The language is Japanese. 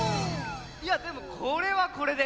いやでもこれはこれで。